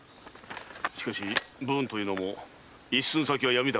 しかし武運というのも一寸先は闇だからな。